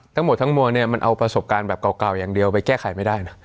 ทั้งหมดทั้งมวลเนี่ยมันเอาประสบการณ์แบบเก่าอย่างเดียวไปแก้ไขไม่ได้นะ